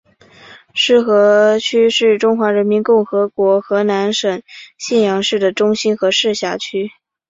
浉河区是中华人民共和国河南省信阳市的中心和市辖区。